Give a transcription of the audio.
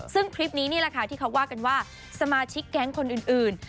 ซึ่งคลิปนี้นี่แหละค่ะที่เขาว่ากันว่าสมาชิกแก๊งคนอื่น